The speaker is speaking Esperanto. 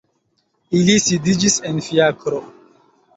Ili sidiĝis en fiakro.